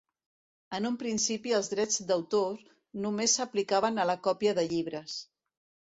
En un principi els drets d'autor només s'aplicaven a la còpia de llibres.